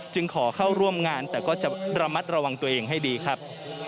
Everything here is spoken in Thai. ขอเข้าร่วมงานแต่ก็จะระมัดระวังตัวเองให้ดีครับ